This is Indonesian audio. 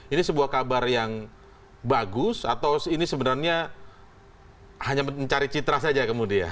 ini sebuah kabar yang bagus atau ini sebenarnya hanya mencari citra saja kemudian